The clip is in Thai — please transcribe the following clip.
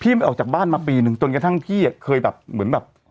ไม่ออกจากบ้านมาปีนึงจนกระทั่งพี่เคยแบบเหมือนแบบ